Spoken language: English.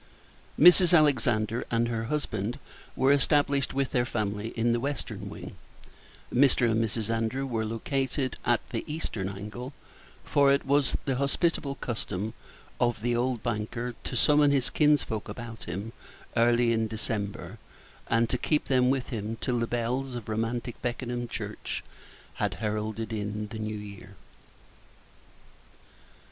Mrs. Alexander and her husband were established with their family in the western wing; Mr. and Mrs. Andrew were located at the eastern angle; for it was the hospitable custom of the old banker to summon his kinsfolk about him early in December, and to keep them with him till the bells of romantic Beckenham church had heralded in the New Year.